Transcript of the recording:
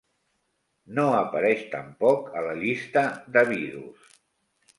No apareix tampoc a la llista d'Abidos.